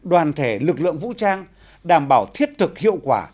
đoàn thể lực lượng vũ trang đảm bảo thiết thực hiệu quả